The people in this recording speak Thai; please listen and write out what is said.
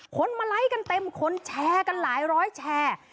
คนมาไลค์กันเต็มคนแชร์กันหลายร้อยแชร์